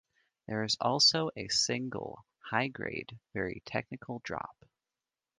There is also a single high-grade, very technical drop.